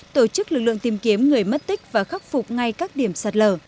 tổ chức lực lượng tìm kiếm người mất tích và khắc phục ngay các điểm sạt lở